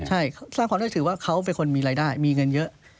ใช่สร้างความได้ถือว่าเขาเป็นคนมีรายได้มีเงินเยอะ